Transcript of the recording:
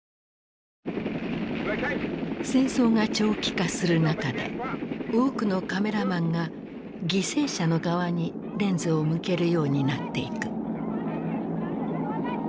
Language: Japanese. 戦争が長期化する中で多くのカメラマンが犠牲者の側にレンズを向けるようになっていく。